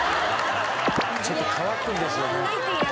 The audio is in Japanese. ちょっと乾くんですよね。